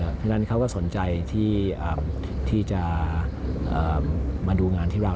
เพราะฉะนั้นเขาก็สนใจที่จะมาดูงานที่เรา